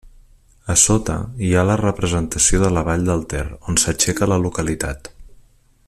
A sota hi ha la representació de la vall del Ter, on s'aixeca la localitat.